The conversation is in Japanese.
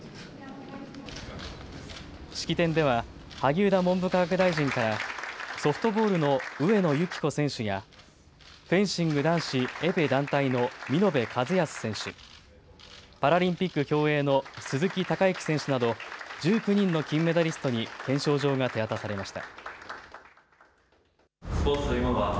式典では萩生田文部科学大臣からソフトボールの上野由岐子選手やフェンシング男子エペ団体の見延和靖選手、パラリンピック競泳の鈴木孝幸選手など１９人の金メダリストに顕彰状が手渡されました。